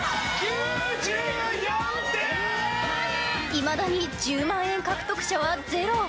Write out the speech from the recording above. いまだに１０万円獲得者はゼロ！